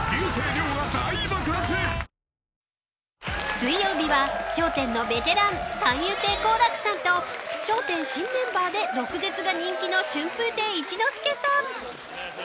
水曜日は「笑点」のベテラン三遊亭好楽さんと「笑点」新メンバーで毒舌が人気の春風亭一之輔さん。